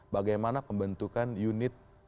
bagaimana pembentukan unit